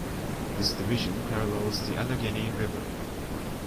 This division parallels the Allegheny River.